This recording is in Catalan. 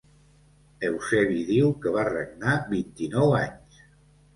Eusebi diu que va regnar vint-i-nou anys.